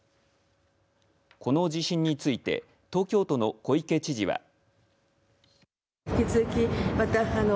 この地震について東京都の小池知事は。